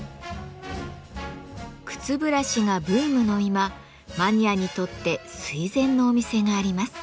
靴ブラシがブームの今マニアにとって垂ぜんのお店があります。